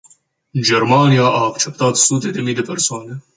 Germania a acceptat sute de mii de persoane.